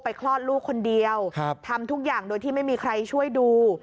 คลอดลูกคนเดียวทำทุกอย่างโดยที่ไม่มีใครช่วยดู